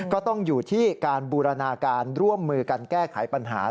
ก็ต้องอยู่ที่การบูรณาการร่วมมือกันแก้ไขปัญหา